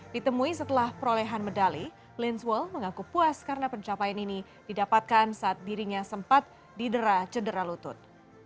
ditemui setelah perolehan medali linzwell mengaku puas karena pencapaian ini didapatkan saat dirinya sempat didera cedera lutut